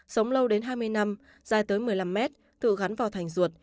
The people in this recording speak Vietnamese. sống lâu đến hai mươi năm dài tới một mươi năm mét tự gắn vào thành ruột